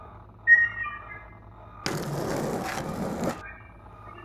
司珀斯古罗马宗教和神话中职司希望的女性神只之一。